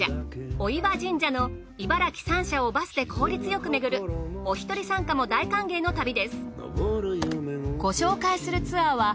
御岩神社の茨城３社をバスで効率よく巡るおひとり参加も大歓迎の旅です。